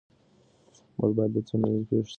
موږ باید له ټولنیزو پېښو څخه عبرت واخلو.